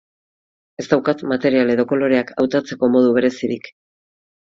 Ez daukat material edo koloreak hautatzeko modu berezirik.